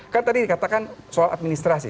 kan tadi dikatakan soal administrasi